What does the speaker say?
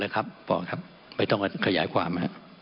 ครับพอเลยครับไม่ต้องคอยใยความ